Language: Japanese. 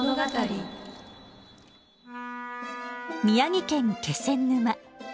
宮城県気仙沼。